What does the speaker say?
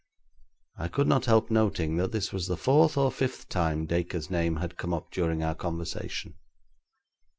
I could not help noting that this was the fourth or fifth time Dacre's name had come up during our conversation.